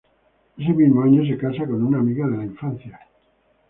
Ese mismo año se casa con una amiga de la infancia.